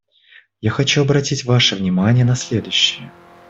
Я хочу обратить ваше внимание на следующее.